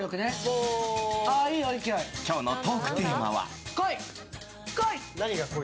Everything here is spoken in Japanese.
今日のトークテーマは。